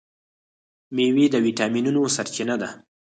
میوې د ویټامینونو سرچینه ده.